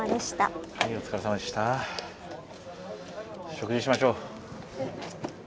食事しましょう。